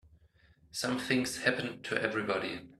Something's happened to everybody.